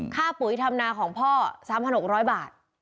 ปุ๋ยธรรมนาของพ่อ๓๖๐๐บาท